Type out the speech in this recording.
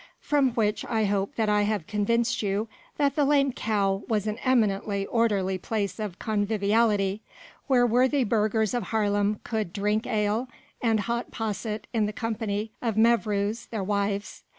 From which I hope that I have convinced you that the "Lame Cow" was an eminently orderly place of conviviality, where worthy burghers of Haarlem could drink ale and hot posset in the company of mevrouws, their wives.